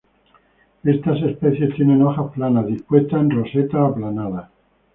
Estas especies tienen hojas planas, dispuestas en rosetas aplanadas.